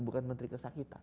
bukan menteri kesakitan